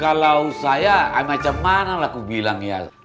kalau saya macam mana lah aku bilang ya